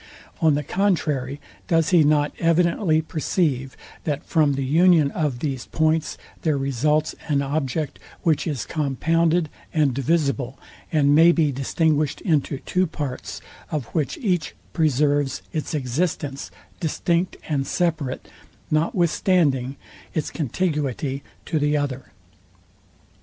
On the contrary, does he not evidently perceive, that from the union of these points there results an object, which is compounded and divisible, and may be distinguished into two parts, of which each preserves its existence distinct and separate, notwithstanding its contiguity to the other?